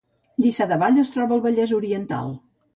Lliçà de Vall es troba al Vallès Oriental